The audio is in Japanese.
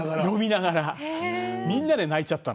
みんなで泣いちゃった。